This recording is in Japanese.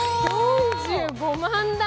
４５万台。